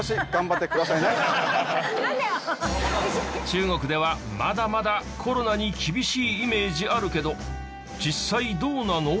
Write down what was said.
中国ではまだまだコロナに厳しいイメージあるけど実際どうなの？